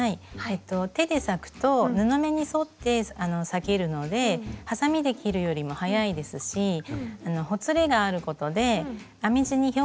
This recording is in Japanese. えっと手で裂くと布目に沿って裂けるのではさみで切るよりも早いですしほつれがあることで編み地に表情が出ます。